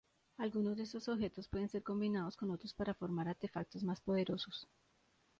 Algunos de estos objetos pueden ser combinados con otros para formar artefactos más poderosos.